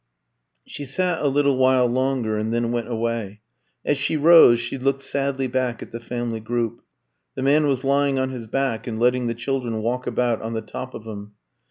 She sat a little while longer, and then went away. As she rose she looked sadly back at the family group. The man was lying on his back and letting the children walk about on the top of him.